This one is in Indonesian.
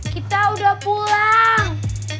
kita udah pulang